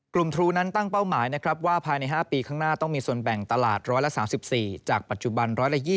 ครูนั้นตั้งเป้าหมายนะครับว่าภายใน๕ปีข้างหน้าต้องมีส่วนแบ่งตลาด๑๓๔จากปัจจุบัน๑๒๐